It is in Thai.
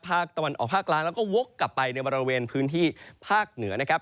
ภาคตะวันออกภาคกลางแล้วก็วกกลับไปในบริเวณพื้นที่ภาคเหนือนะครับ